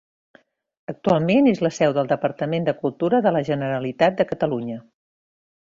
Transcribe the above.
Actualment és la seu del Departament de Cultura de la Generalitat de Catalunya.